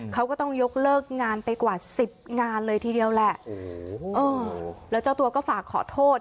เขาก็ต้องยกเลิกงานไปกว่าสิบงานเลยทีเดียวแหละโอ้โหแล้วเจ้าตัวก็ฝากขอโทษ